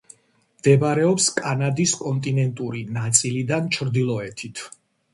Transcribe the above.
მდებარეობს კანადის კონტინენტური ნაწილიდან ჩრდილოეთით.